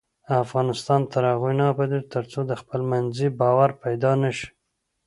افغانستان تر هغو نه ابادیږي، ترڅو خپلمنځي باور پیدا نشي.